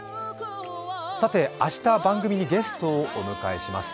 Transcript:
さて明日、番組にゲストをお迎えします。